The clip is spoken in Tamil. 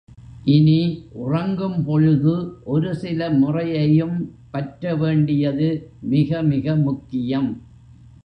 இனி, உறங்கும் பொழுது ஒரு சில முறையையும் பற்ற வேண்டியது மிக மிக முக்கியம்.